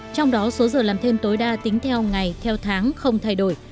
trong đó số giờ làm thêm tối đa tính theo ngày theo tháng không thay đổi